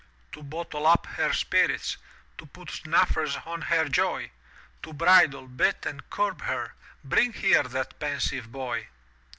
To bottle up her spirits. Put snuffers on her joy. To bridle, bit, and curb her. Bring here that pensive boy.